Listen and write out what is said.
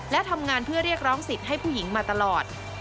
และทำงานเพื่อเรียกร้องสิทธิ์ให้ผู้หญิงมาตลอด